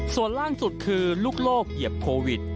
ส่วนล่างสุดคือลูกโลกเหยียบโควิด